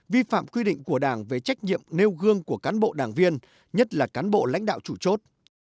vi phạm quy định của đảng về trách nhiệm nêu gương của cán bộ đảng viên nhất là cán bộ lãnh đạo chủ chốt